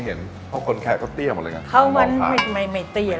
จริงเราไม่ได้ยึดว่าคนแค่คนไทย